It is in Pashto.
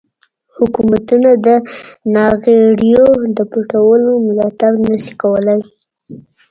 حکومتونه د ناغیړیو د پټولو ملاتړ نشي کولای.